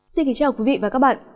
xin kính chào quý vị và các bạn